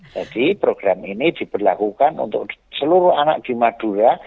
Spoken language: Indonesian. jadi program ini diperlakukan untuk seluruh anak di madura